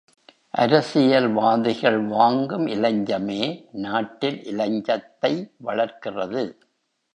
அரசியல்வாதிகள் வாங்கும் இலஞ்சமே, நாட்டில் இலஞ்சத்தை வளர்க்கிறது.